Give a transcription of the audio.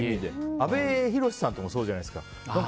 阿部寛さんとかもそうじゃないですか。